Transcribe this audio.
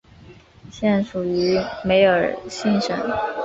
现属于梅尔辛省。